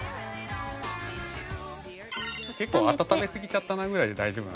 結構温めすぎちゃったなぐらいで大丈夫。